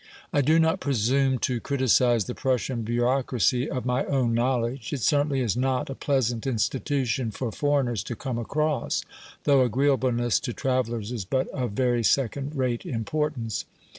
I do not presume to criticise the Prussian bureaucracy of my own knowledge; it certainly is not a pleasant institution for foreigners to come across, though agreeableness to travellers is but of very second rate importance.